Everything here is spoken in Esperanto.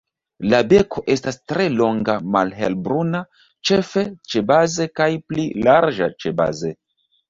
La beko estas tre longa, malhelbruna -ĉefe ĉebaze- kaj pli larĝa ĉebaze.